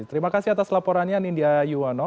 terima kasih atas laporannya nindya yuwono